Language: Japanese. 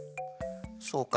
そうか。